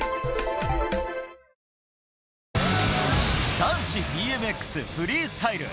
男子ＢＭＸフリースタイル。